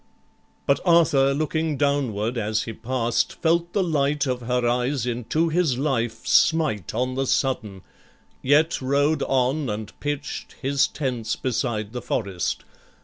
But Arthur, looking downward as he past, Felt the light of her eyes into his life Smite on the sudden, yet rode on, and pitch'd His tents beside the forest.